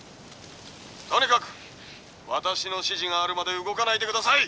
とにかく私の指示があるまで動かないで下さい！」。